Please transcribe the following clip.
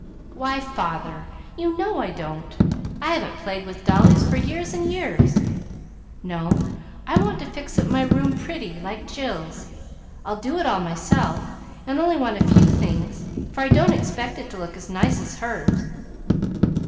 "Why, father, you know I don't! I haven't played with dollies for years and years. No; I want to fix up my room pretty, like Jill's. I'll do it all myself, and only want a few things, for I don't expect it to look as nice as hers."